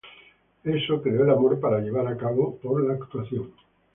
Eso creó el amor para llevar a cabo por la actuación.